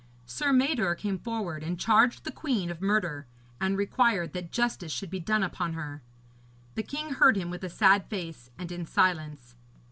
Sir Mador came forward and charged the queen of murder, and required that justice should be done upon her. The king heard him with a sad face and in silence.